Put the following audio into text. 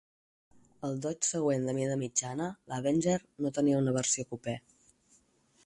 El Dodge següent de mida mitjana, l'Avenger, no tenia una versió cupè.